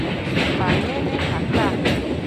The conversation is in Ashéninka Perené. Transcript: Pamene janta.